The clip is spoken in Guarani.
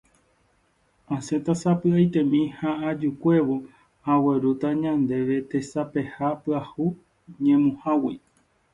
Asẽta sapy'aitemi ha ajukuévo aguerúta ñandéve tesapeha pyahu ñemuhágui.